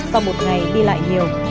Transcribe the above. sau một ngày đi lại nhiều